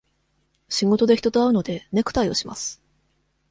仕事で人と会うので、ネクタイをします。